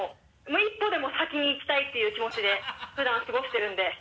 １歩でも先に行きたいっていう気持ちで普段過ごしてるんで。